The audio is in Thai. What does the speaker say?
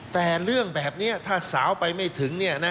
แต่เรื่องแบบนี้ถ้าสาวไปไม่ถึง